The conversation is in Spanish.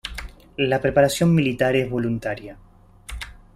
La preparación militar es voluntaria.